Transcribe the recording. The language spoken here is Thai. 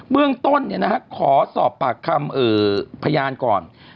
เมืองต้นขอสอบปากคำพยานก่อน